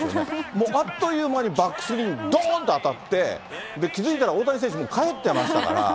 もうあっという間にバックスクリーンにどーんと当たって、気付いたら、大谷選手、もうかえってましたから。